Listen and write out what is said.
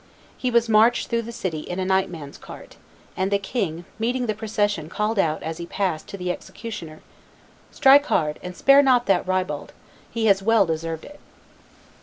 He was marched through the city in a night man's cart; and the king, meeting the procession, called out, as he passed, to the executioner, "Strike hard, and spare not that ribald; he has well deserved it."